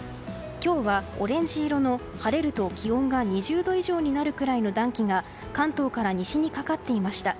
今日はオレンジ色の晴れると気温が２０度以上になるくらいの暖気が関東から西にかかっていました。